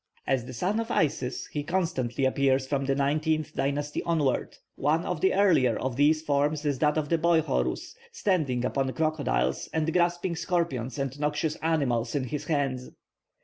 As the son of Isis he constantly appears from the nineteenth dynasty onward. One of the earlier of these forms is that of the boy Horus standing upon crocodiles, and grasping scorpions and noxious animals in his hands.